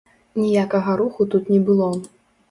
Ніякага руху тут не было.